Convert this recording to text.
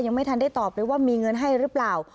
ยังไม่ทันได้ตอบเลยว่ามีเงินให้หรือเปล่า